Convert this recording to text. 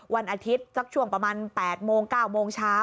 วันอาทิตย์สักช่วงประมาณ๘โมง๙โมงเช้า